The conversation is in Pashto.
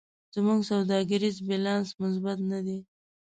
زموږ سوداګریز بیلانس مثبت نه دی.